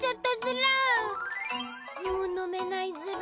もう飲めないズラ。